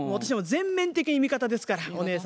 全面的に味方ですからお姉様。